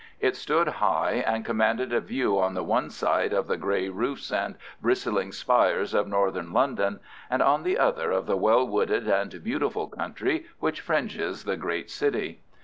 It stood high, and commanded a view on the one side of the grey roofs and bristling spires of Northern London, and on the other of the well wooded and beautiful country which fringes the great city.